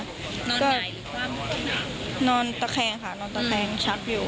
นอนไหนหรือว่ามันต้องนานนอนตะแคงค่ะนอนตะแคงชักอยู่